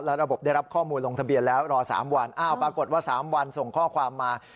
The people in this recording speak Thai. ระบบได้รับข้อมูลลงทะเบียนแล้วรอ๓วันอ้าวปรากฏว่า๓วันส่งข้อความมา